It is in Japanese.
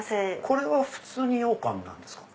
これは普通に羊羹なんですか？